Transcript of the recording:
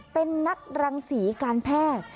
เป็นนักรังศรีการแพทย์